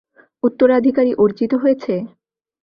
উত্তরাধিকারী অর্জিত হয়েছে?